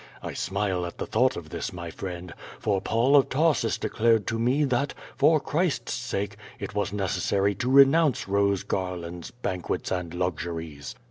I smile at the thought of this, my friend, for Paul of Tarsus declared to me that, for Christ's sake, it was necessary to renounce rose gar lands, banquets, and luxuries.